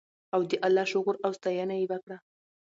او د الله شکر او ستاینه یې وکړه.